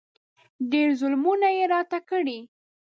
ډېر ظلمونه یې راته کړي.